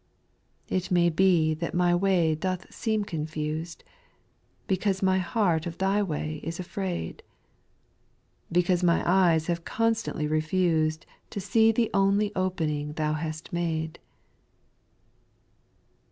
4. It may be that my way doth seem confused, Because my heart of Thy way is afraid ; Because my eyes have constantly refused To see the only opening Thou hast made.